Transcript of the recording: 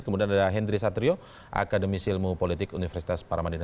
kemudian ada hendry satrio akademisi ilmu politik universitas paramadina